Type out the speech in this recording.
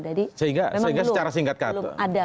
jadi memang belum ada